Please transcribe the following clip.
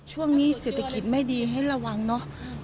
ช่วงนี้เศรษฐกิจไม่ดีให้ระวังเนอะ